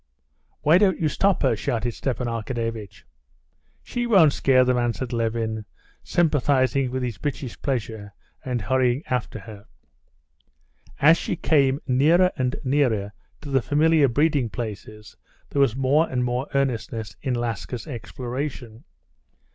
"Why don't you stop her?" shouted Stepan Arkadyevitch. "She won't scare them," answered Levin, sympathizing with his bitch's pleasure and hurrying after her. As she came nearer and nearer to the familiar breeding places there was more and more earnestness in Laska's exploration.